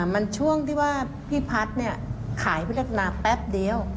มันช่วงที่ว่าพี่พัฒน์ขายพิจารณาแป๊บเดียว